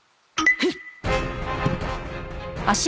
フッ！